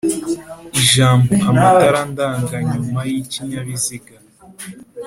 Ijambo "amatara ndanganyuma y'ikinyabiziga